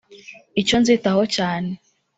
« Icyo nzitaho cyane